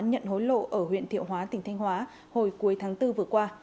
nhận hối lộ ở huyện thiệu hóa tỉnh thanh hóa hồi cuối tháng bốn vừa qua